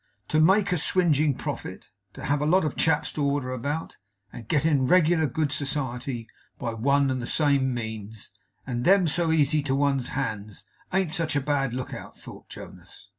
'To make a swingeing profit, have a lot of chaps to order about, and get into regular good society by one and the same means, and them so easy to one's hand, ain't such a bad look out,' thought Jonas.